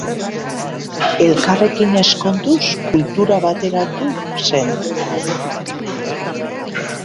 Elkarrekin ezkonduz, kultura bateratu zen.